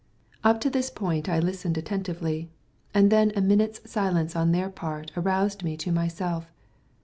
Up to this point I listened attentively, and then a minute's silence on their part aroused me to myself.